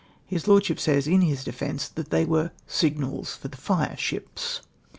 His Lordship says, in his defence, that i\\Qj \NeTe signals for the fireships !